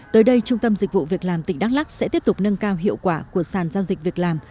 tới đây trung tâm dịch vụ việc làm tỉnh đắk lắc sẽ tiếp tục nâng cao hiệu quả của sàn giao dịch việc làm